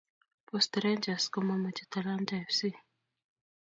Post rangers ko mamache talanta fc